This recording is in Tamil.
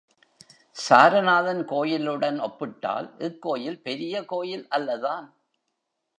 சாரநாதன் கோயிலுடன் ஒப்பிட்டால் இக்கோயில் பெரிய கோயில் அல்லதான்.